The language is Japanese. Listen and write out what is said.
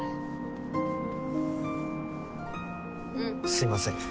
すいません。